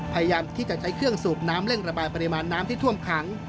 พยายามที่จะใช้เครื่องสูบน้ำเร่งระบายปริมาณน้ำที่ท่วมขัง